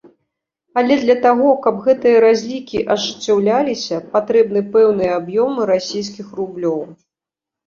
Але для таго, каб гэтыя разлікі ажыццяўляліся, патрэбны пэўныя аб'ёмы расійскіх рублёў.